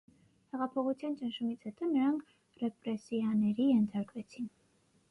Հեղափոխության ճնշումից հետո նրանք ռեպրեսիաների ենթարկվեցին։